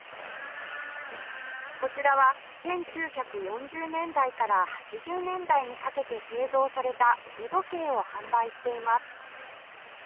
こちらは１９４０年代から８０年代にかけて製造された腕時計を販売しています